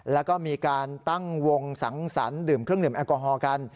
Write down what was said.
แล้วก็มีการตั้งวงสังสรรค์ดื่มเครื่องดื่มแอลกอฮอล์กัน